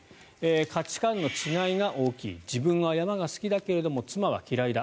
価値観の違いが大きい自分は山が好きだけれども妻は嫌いだ。